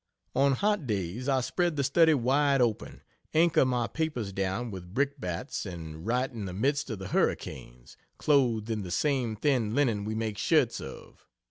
On hot days I spread the study wide open, anchor my papers down with brickbats and write in the midst of the hurricanes, clothed in the same thin linen we make shirts of.